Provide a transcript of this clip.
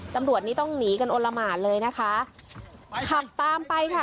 ตำรวจนี้ต้องหนีกันโอละหมานเลยนะคะขับตามไปค่ะ